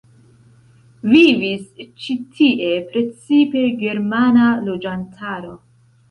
Vivis ĉi tie precipe germana loĝantaro.